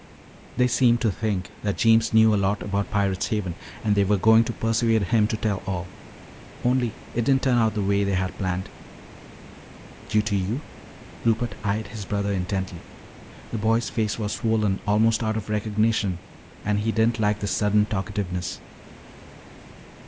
"They seemed to think that Jeems knew a lot about Pirate's Haven and they were going to persuade him to tell all. Only it didn't turn out the way they had planned." "Due to you?" Rupert eyed his brother intently. The boy's face was swollen almost out of recognition and he didn't like this sudden talkativeness.